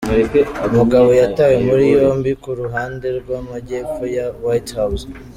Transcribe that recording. Umugabo yatawe muri yombi ku ruhande rw'amajyepfo ya White House.